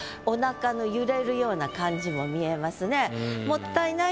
おなかの揺れるような感じも見えますね。